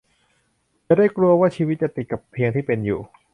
อย่าได้กลัวว่าชีวิตจะติดกับเพียงที่เป็นอยู่